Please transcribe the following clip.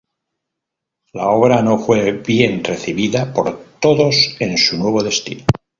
La obra no fue bien recibida por todos en su nuevo destino.